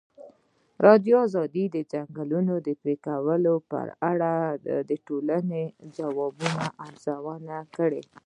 ازادي راډیو د د ځنګلونو پرېکول په اړه د ټولنې د ځواب ارزونه کړې.